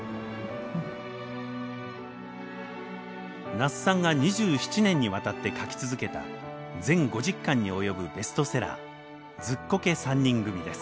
那須さんが２７年にわたって書き続けた全５０巻に及ぶベストセラー「ズッコケ三人組」です。